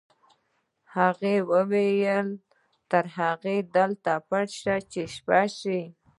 هغې وویل تر هغې دلته پټ شه چې شپه شي